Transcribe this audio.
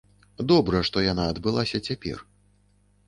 Добра, што яна адбылася цяпер.